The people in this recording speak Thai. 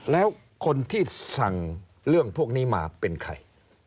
แล้วคนที่สั่งเรื่องพวกนี้มาเป็นใคร